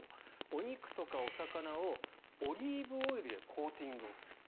お肉とかお魚をオリーブオイルでコーティングする。